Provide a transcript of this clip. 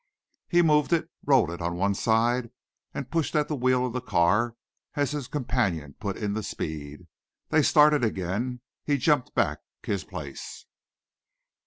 He moved it, rolled it on one side, and pushed at the wheel of the car as his companion put in the speed. They started again. He jumped back his place.